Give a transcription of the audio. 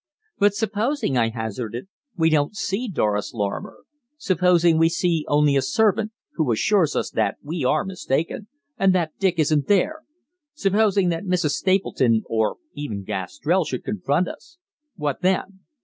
"But supposing," I hazarded, "we don't see Doris Lorrimer. Supposing we see only a servant, who assures us that we are mistaken, and that Dick isn't there. Supposing that Mrs. Stapleton, or even Gastrell, should confront us. What then?"